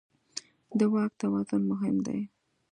د واک توازن مهم دی.